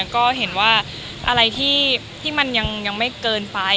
ก็เห็นว่าอะไรที่มันยังไม่เกินไป